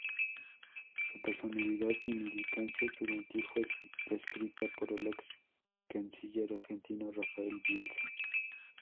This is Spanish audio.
Su personalidad y militancia estudiantil fue descrita por el ex canciller argentino, Rafael Bielsa.